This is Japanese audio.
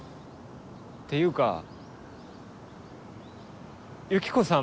っていうかユキコさん